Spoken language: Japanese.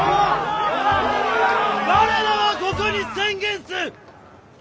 我らはここに宣言す！